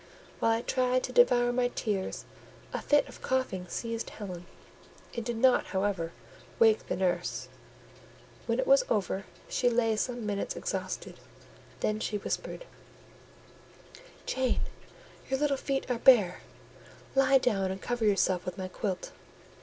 While I tried to devour my tears, a fit of coughing seized Helen; it did not, however, wake the nurse; when it was over, she lay some minutes exhausted; then she whispered— "Jane, your little feet are bare; lie down and cover yourself with my quilt."